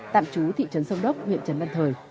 tạm trú thị trấn sông đốc huyện trần văn thời